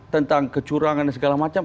tentang kecurangan segala macam